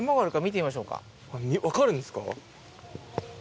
分かるんですか？